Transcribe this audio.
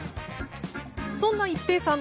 そんな一平さん